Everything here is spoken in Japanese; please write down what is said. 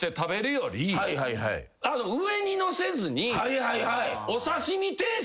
上にのせずに。